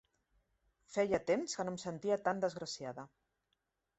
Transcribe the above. Feia temps que no em sentia tan desgraciada.